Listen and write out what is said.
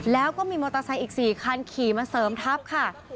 แล้วก็มีมอเตอร์ไซค์อีก๔คันขี่มาเสริมทัพค่ะ